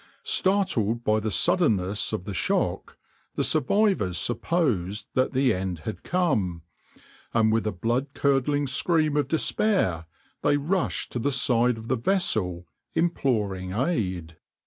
Startled by the suddenness of the shock the survivors supposed that the end had come, and with a blood curdling scream of despair they rushed to the side of the vessel imploring aid.